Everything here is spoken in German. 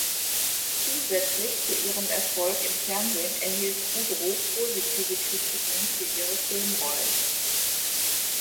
Zusätzlich zu ihrem Erfolg im Fernsehen erhielt Kudrow positive Kritiken für ihre Filmrollen.